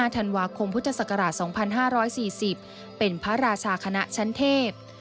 ธันวาคมพุทธศักราช๒๕๔๐เป็นพระราชาคณะชั้นเทพ